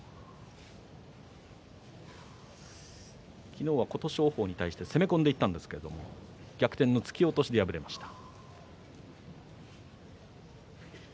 昨日は琴勝峰に対して攻め込んでいったんですが逆転の突き落としで敗れました。